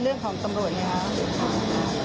แล้วก็ไม่พบ